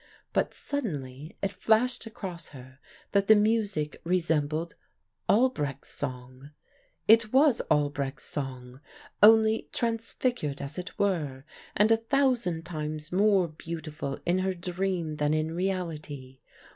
But suddenly it flashed across her that the music resembled Albrecht's song; it was Albrecht's song, only transfigured as it were, and a thousand times more beautiful in her dream than in reality.